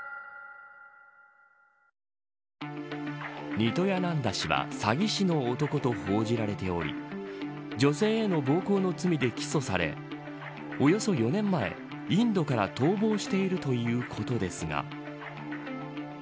ニトヤナンダ氏は詐欺師の男と報じられており女性への暴行の罪で起訴されおよそ４年前インドから逃亡しているということですが。